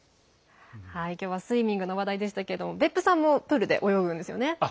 今日はスイミングの話題でしたが別府さんもプールで泳ぐんですよね？